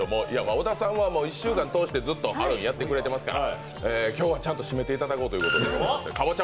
小田さんは１週間通してハロウィーンやってくれてますから、今日はちゃんと締めていただこうということでかぼちゃ